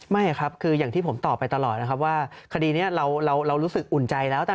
ไม่ครับคืออย่างที่ผมตอบไปตลอดนะครับว่าคดีนี้เรารู้สึกอุ่นใจแล้ว